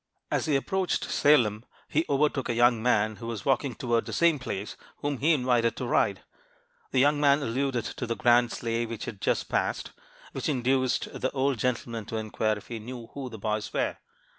"As he approached Salem, he overtook a young man who was walking toward the same place, whom he invited to ride. The young man alluded to the grand sleigh which had just passed, which induced the old gentleman to inquire if he knew who the boys were.